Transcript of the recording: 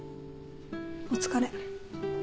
お疲れ。